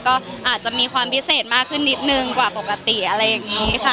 ก็อาจจะมีความพิเศษมากขึ้นนิดนึงกว่าปกติอะไรอย่างนี้ค่ะ